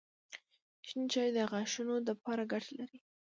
شېن چای د غاښونو دپاره ګټه لري